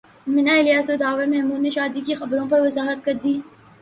منہ الیاس اور داور محمود نے شادی کی خبروں پر وضاحت کردی